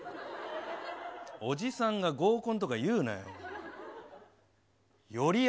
おじさんが合コンとか言うなよ。